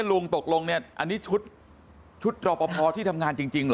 ลุงตกลงเนี่ยอันนี้ชุดรอปภที่ทำงานจริงเหรอ